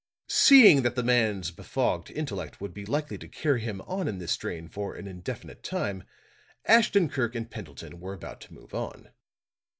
Seeing that the man's befogged intellect would be likely to carry him on in this strain for an indefinite time, Ashton Kirk and Pendleton were about to move on.